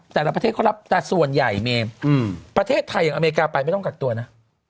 แต่ละประเทศเขารับแต่ส่วนใหญ่เมย์ประเทศไทยอย่างอเมริกาไปไม่ต้องกักตัวนะ